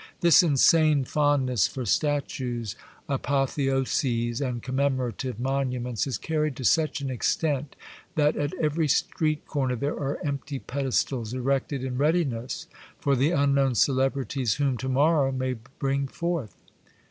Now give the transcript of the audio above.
This insane fondness for statues, apotheoses, and commemorative monuments is carried to such an extent that at every street corner there are empty pedestals, erected in readi ness for the unknown celebrities whom to morrow may bring forth.